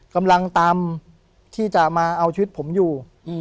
กำลังตามที่จะมาเอาชีวิตผมอยู่